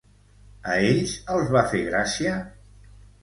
A ells els va fer gràcia?